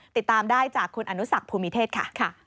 ติดตามได้จากคุณอนุสักภูมิเทศค่ะ